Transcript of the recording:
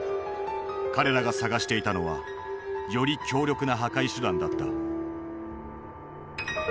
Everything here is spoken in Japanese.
彼らが探していたのはより強力な破壊手段だった。